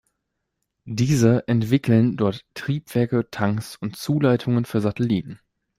Diese entwickeln dort Triebwerke, Tanks und Zuleitungen für Satelliten.